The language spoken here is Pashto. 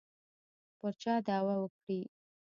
پر چا دعوه وکړي.